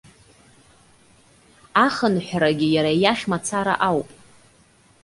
Ахынҳәрагьы иара иахь мацара ауп.